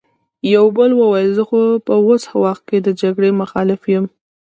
يوه بل وويل: خو زه په اوس وخت کې د جګړې مخالف يم!